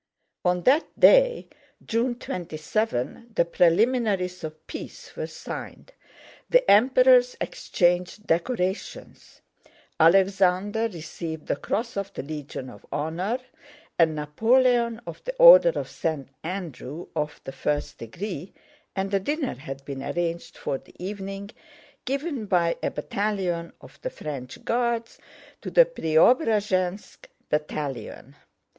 On that day, June 27, the preliminaries of peace were signed. The Emperors exchanged decorations: Alexander received the Cross of the Legion of Honor and Napoleon the Order of St. Andrew of the First Degree, and a dinner had been arranged for the evening, given by a battalion of the French Guards to the Preobrazhénsk battalion.